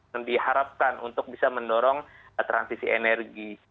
yang diharapkan untuk bisa mendorong transisi energi